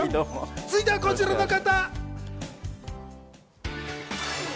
続いてはこちらの方。